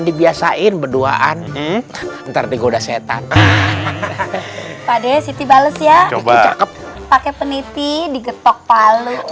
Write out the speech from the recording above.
dibiasain berduaan ntar digoda setan pade siti bales ya pakai peniti digetok palu